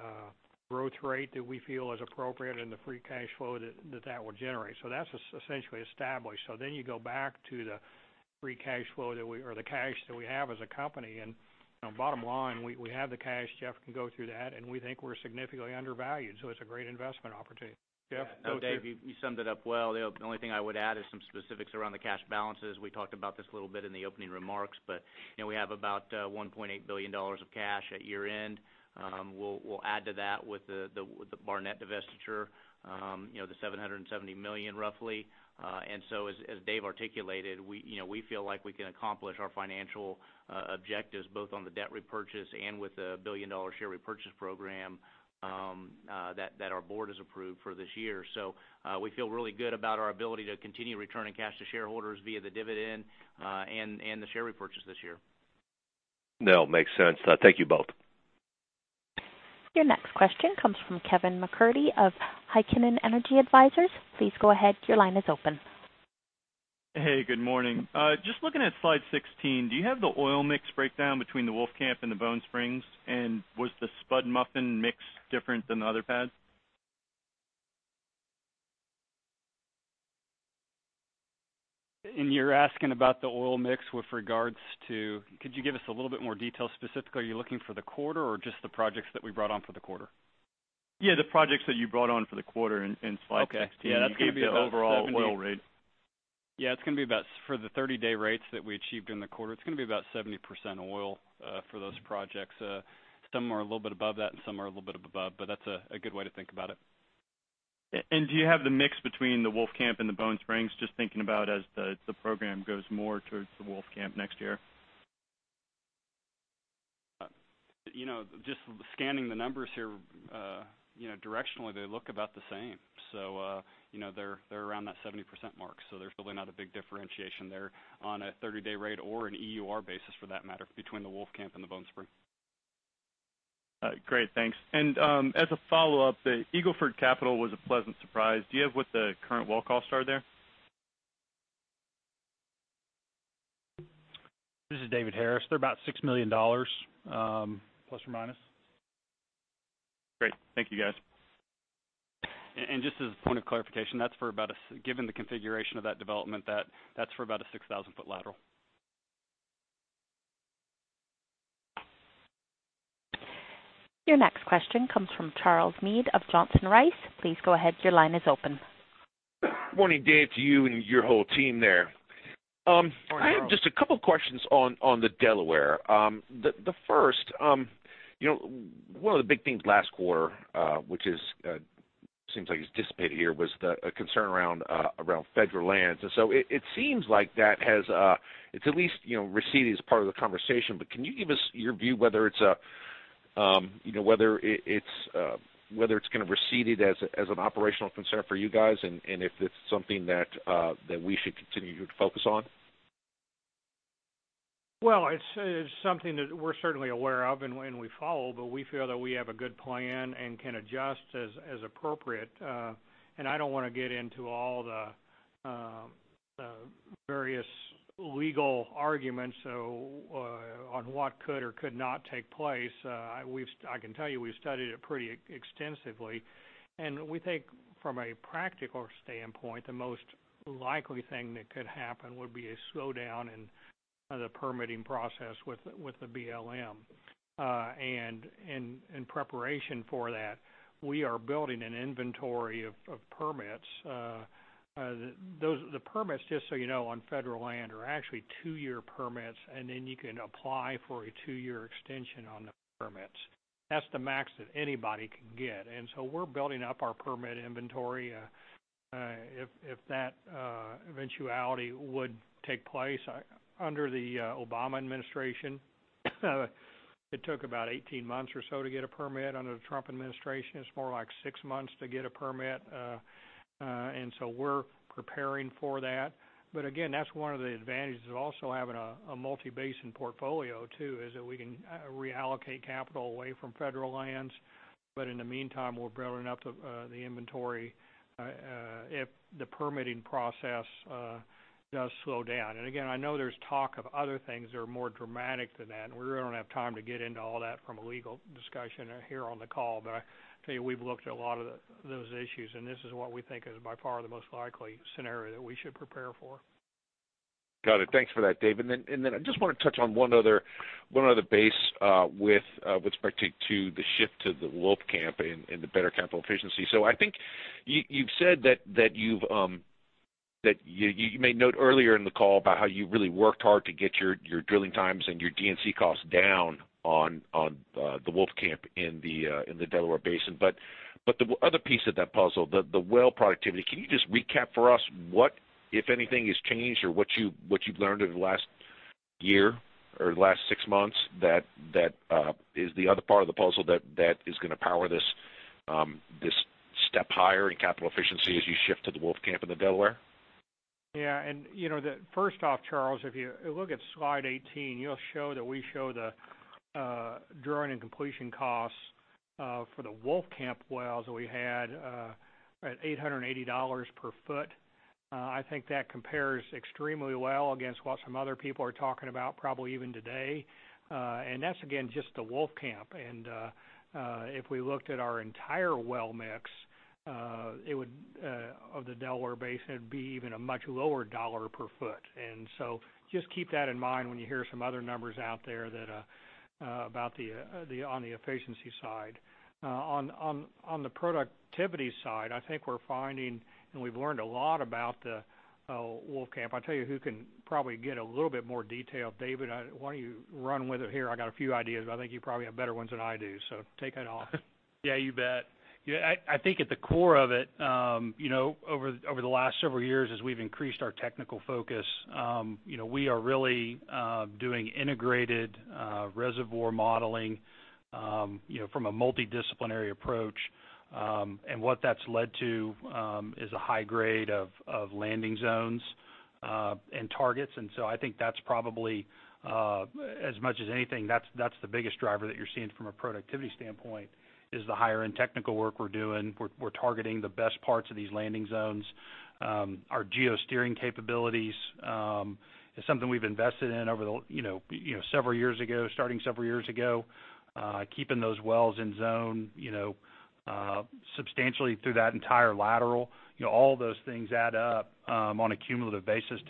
growth rate that we feel is appropriate, and the free cash flow that will generate. That's essentially established. Then you go back to the cash that we have as a company, and bottom line, we have the cash. Jeff can go through that. We think we're significantly undervalued, so it's a great investment opportunity. Jeff? Yeah. No, Dave, you summed it up well. The only thing I would add is some specifics around the cash balances. We talked about this a little bit in the opening remarks. We have about $1.8 billion of cash at year-end. We'll add to that with the Barnett divestiture, the $770 million, roughly. As Dave articulated, we feel like we can accomplish our financial objectives both on the debt repurchase and with the billion-dollar share repurchase program that our board has approved for this year. We feel really good about our ability to continue returning cash to shareholders via the dividend and the share repurchase this year. No, makes sense. Thank you both. Your next question comes from Kevin MacCurdy of Heikkinen Energy Advisors. Please go ahead, your line is open. Hey, good morning. Just looking at Slide 16, do you have the oil mix breakdown between the Wolfcamp and the Bone Springs? Was the Spud Muffin mix different than the other pads? You're asking about the oil mix with regards to, could you give us a little bit more detail? Specifically, are you looking for the quarter or just the projects that we brought on for the quarter? Yeah, the projects that you brought on for the quarter in Slide 16. Okay. Yeah, that's going to be about 70- You gave the overall oil rate. Yeah, for the 30-day rates that we achieved in the quarter, it's going to be about 70% oil for those projects. Some are a little bit above that, and some are a little bit above, but that's a good way to think about it. Do you have the mix between the Wolfcamp and the Bone Springs? Just thinking about as the program goes more towards the Wolfcamp next year. Just scanning the numbers here, directionally, they look about the same. They're around that 70% mark, so there's really not a big differentiation there on a 30-day rate or an EUR basis for that matter, between the Wolfcamp and the Bone Spring. Great. Thanks. As a follow-up, the Eagle Ford capital was a pleasant surprise. Do you have what the current well costs are there? This is David Harris. They're about $6 million, ±. Great. Thank you, guys. Just as a point of clarification, given the configuration of that development, that's for about a 6,000-foot lateral. Your next question comes from Charles Meade of Johnson Rice. Please go ahead. Your line is open. Morning, Dave, to you and your whole team there. Morning, Charles. I have just a couple questions on the Delaware. The first, one of the big themes last quarter, which seems like it's dissipated here, was the concern around federal lands. It seems like that has at least receded as part of the conversation, but can you give us your view whether it's going to recede as an operational concern for you guys, and if it's something that we should continue to focus on? Well, it's something that we're certainly aware of, and we follow, but we feel that we have a good plan and can adjust as appropriate. I don't want to get into all the various legal arguments on what could or could not take place. I can tell you we've studied it pretty extensively, and we think from a practical standpoint, the most likely thing that could happen would be a slowdown in the permitting process with the BLM. In preparation for that, we are building an inventory of permits. The permits, just so you know, on federal land are actually two-year permits, and then you can apply for a two-year extension on the permits. That's the max that anybody can get. We're building up our permit inventory, if that eventuality would take place. Under the Obama administration it took about 18 months or so to get a permit. Under the Trump administration, it's more like six months to get a permit. We're preparing for that. Again, that's one of the advantages of also having a multi-basin portfolio too, is that we can reallocate capital away from federal lands. In the meantime, we're building up the inventory, if the permitting process does slow down. Again, I know there's talk of other things that are more dramatic than that, and we really don't have time to get into all that from a legal discussion here on the call. I tell you, we've looked at a lot of those issues, and this is what we think is by far the most likely scenario that we should prepare for. Got it. Thanks for that, Dave. I just want to touch on one other base with respect to the shift to the Wolfcamp and the better capital efficiency. I think you've said that you made note earlier in the call about how you really worked hard to get your drilling times and your D&C costs down on the Wolfcamp in the Delaware Basin. The other piece of that puzzle, the well productivity, can you just recap for us what, if anything, has changed or what you've learned over the last year or the last six months that is the other part of the puzzle that is going to power this step higher in capital efficiency as you shift to the Wolfcamp and the Delaware? First off, Charles, if you look at Slide 18, you'll show that we show the drilling and completion costs for the Wolfcamp wells that we had at $880 per foot. I think that compares extremely well against what some other people are talking about probably even today. That's again, just the Wolfcamp. If we looked at our entire well mix of the Delaware Basin, it'd be even a much lower dollar per foot. Just keep that in mind when you hear some other numbers out there on the efficiency side. On the productivity side, I think we're finding, and we've learned a lot about the Wolfcamp. I'll tell you who can probably get a little bit more detail. David, why don't you run with it here? I got a few ideas, but I think you probably have better ones than I do, so take it off. Yeah, you bet. I think at the core of it, over the last several years as we've increased our technical focus, we are really doing integrated reservoir modeling from a multidisciplinary approach. What that's led to is a high grade of landing zones and targets. I think that's probably as much as anything, that's the biggest driver that you're seeing from a productivity standpoint, is the higher-end technical work we're doing. We're targeting the best parts of these landing zones. Our geo-steering capabilities is something we've invested in starting several years ago, keeping those wells in zone substantially through that entire lateral. All those things add up on a cumulative basis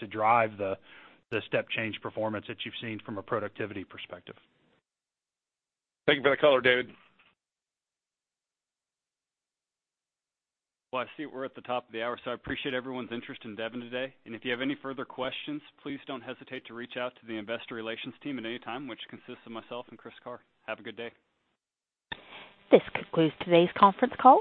to drive the step change performance that you've seen from a productivity perspective. Thank you for the color, David. I see we're at the top of the hour, so I appreciate everyone's interest in Devon today. If you have any further questions, please don't hesitate to reach out to the investor relations team at any time, which consists of myself and Chris Carr. Have a good day. This concludes today's conference call.